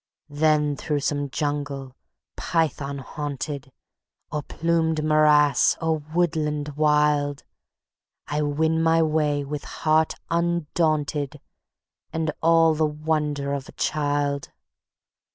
Then through some jungle python haunted, Or plumed morass, or woodland wild, I win my way with heart undaunted, And all the wonder of a child.